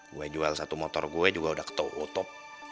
gue jual satu motor gue juga udah ketop